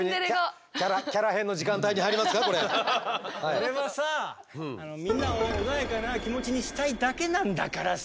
俺はさみんなを穏やかな気持ちにしたいだけなんだからさ。